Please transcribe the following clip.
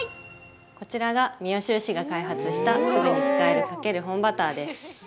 こちらがミヨシ油脂が開発したすぐに使えるかける本バターです。